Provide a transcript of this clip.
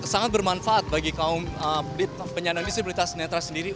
sangat bermanfaat bagi kaum penyandang disabilitas netra sendiri